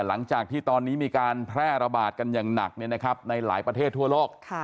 หลังจากที่ตอนนี้มีการแพร่ระบาดกันอย่างหนักในหลายประเทศทั่วโลก